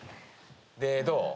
でどう？